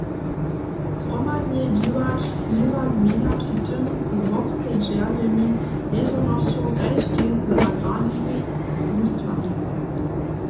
Zhromadnje dźěłać měła gmejna při tym z wobsedźerjemi ležownosćow kaž tež z agrarnymi drustwami.